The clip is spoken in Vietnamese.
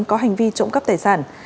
có hành vi trộm cắp tài sản